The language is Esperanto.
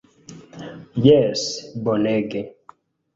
Jes bonege!